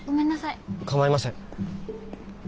構いません。